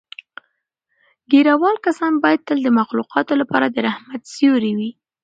ږیره وال کسان باید تل د مخلوقاتو لپاره د رحمت سیوری وي.